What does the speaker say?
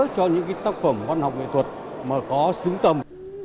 cho những tác phẩm văn học nghệ thuật mà có xứng tầm